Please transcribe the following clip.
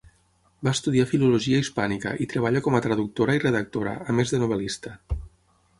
Va estudiar filologia hispànica i treballa com a traductora i redactora, a més de novel·lista.